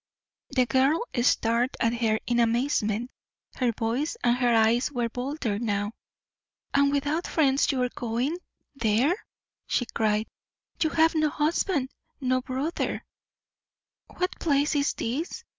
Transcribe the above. The girl stared at her in amazement. Her voice and her eyes were bolder now. "And without friends you are going there?" she cried. "You have no husband no brother " "What place is this?"